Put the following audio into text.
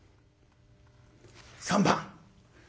３番？